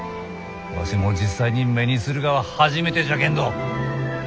わしも実際に目にするがは初めてじゃけんど。